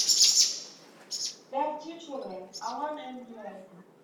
They have two children, Alon and Yoav.